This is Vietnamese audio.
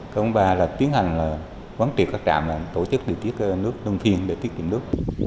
thứ ba là tiến hành quán triệt các trạm tổ chức lưu tiết nước lưu phiên để tiết kiệm nước